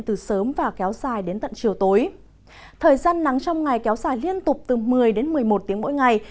từ sớm và kéo dài đến tận chiều tối thời gian nắng trong ngày kéo dài liên tục từ một mươi đến một mươi một tiếng mỗi ngày